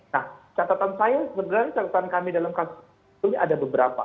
nah catatan saya sebenarnya catatan kami dalam kasus ini ada beberapa